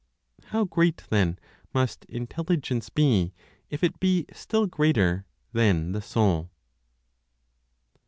How great then, must Intelligence be, if it be still greater than the Soul.